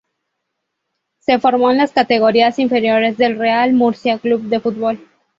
Se formó en las categorías inferiores del Real Murcia Club de Fútbol.